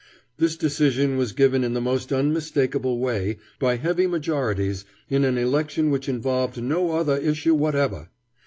This decision was given in the most unmistakable way, by heavy majorities, in an election which involved no other issue whatever.